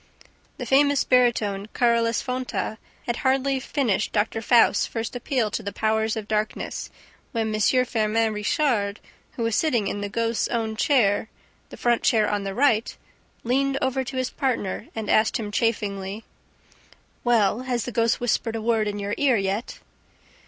The famous baritone, Carolus Fonta, had hardly finished Doctor Faust's first appeal to the powers of darkness, when M. Firmin Richard, who was sitting in the ghost's own chair, the front chair on the right, leaned over to his partner and asked him chaffingly: "Well, has the ghost whispered a word in your ear yet?"